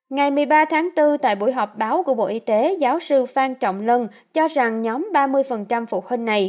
ngày một mươi ba tháng bốn tại buổi họp báo của bộ y tế giáo sư phan trọng lân cho rằng nhóm ba mươi phụ huynh này